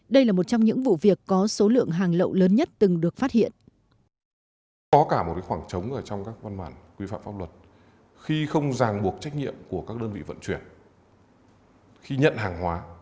đây là một trong những vụ việc có số lượng hàng lậu lớn nhất từng được phát hiện